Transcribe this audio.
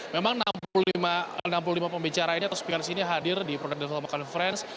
memang enam puluh lima pembicara ini atau speaker di sini hadir di product development conference